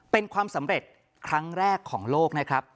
เป็นความสำเร็จครั้งแรกของโลกนะครับ